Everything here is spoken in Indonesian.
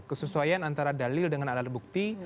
kesesuaian antara dalil dengan alat bukti